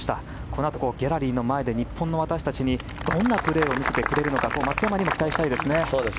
このあとギャラリーの前で日本の私たちにどんなプレーを見せてくれるのか松山にも期待したいですね。